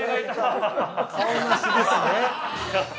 ◆顔なしですね。